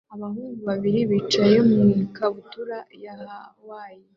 Abahungu babiri bicaye mu ikabutura ya Hawayi